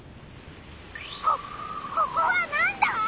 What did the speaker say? こここはなんだ？